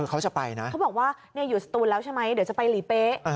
เขาจะไปนะเขาบอกว่าอยู่สตูนแล้วใช่ไหมเดี๋ยวจะไปหลีเป๊ะ